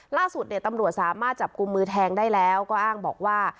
ล่าสุดเนี่ยตำรวจสามารถจับกลุ่มมือแทงได้แล้วก็อ้างบอกว่า